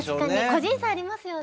個人差ありますよね。